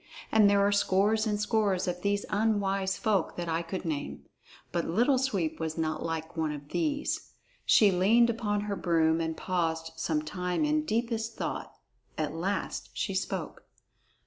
And there are scores and scores of these unwise folk that I could name. But Little Sweep was not like one of these. She leaned upon her broom and paused some time in deepest thought. At last she spoke.